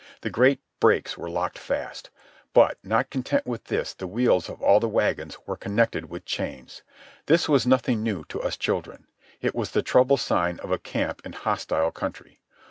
The great brakes were locked fast; but, not content with this, the wheels of all the wagons were connected with chains. This was nothing new to us children. It was the trouble sign of a camp in hostile country.